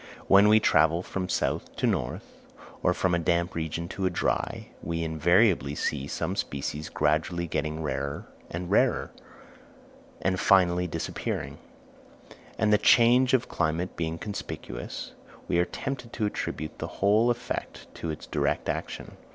When we travel from south to north, or from a damp region to a dry, we invariably see some species gradually getting rarer and rarer, and finally disappearing; and the change of climate being conspicuous, we are tempted to attribute the whole effect to its direct action.